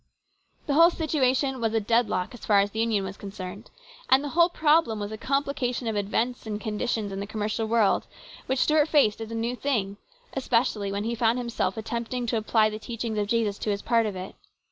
The whole situation was a deadlock so far as the Union was concerned, and the whole problem was a complication of events and conditions in the commercial world, which Stuart faced as a new thing, especially when he found himself attempting to apply the teachings of Jesus to his part of it.